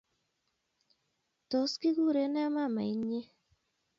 tos? Kikure nee maamainyin?